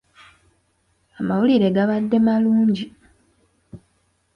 Amawulire gabadde malungi.